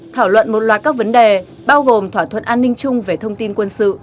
thảo luận một loạt các vấn đề bao gồm thỏa thuận an ninh chung về thông tin quân sự